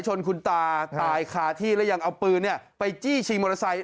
ชนคุณตาตายคาที่แล้วยังเอาปืนไปจี้ชิงมอเตอร์ไซค์